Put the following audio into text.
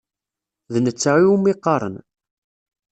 D netta iwumi qqaren.